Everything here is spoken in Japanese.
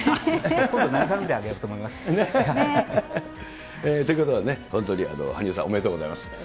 今度慰めてあげようと思いまということで、本当に羽生さん、おめでとうございます。